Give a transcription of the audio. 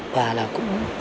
và là cũng